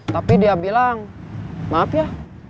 tapi dia bilang maaf ya